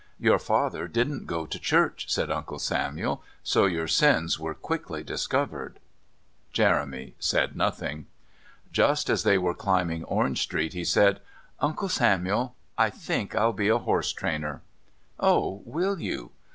"Your father didn't go to church," said Uncle Samuel. "So your sins were quickly discovered." Jeremy said nothing. Just as they were climbing Orange Street he said: "Uncle Samuel, I think I'll be a horse trainer." "Oh, will you?...